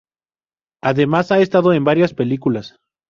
Además ha estado en varias películas.